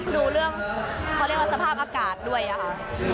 ดูเรื่องเขาเรียกว่าสภาพอากาศด้วยค่ะ